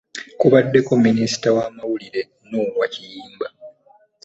Kubaddeko Minisita w'amawulire Noah Kiyimba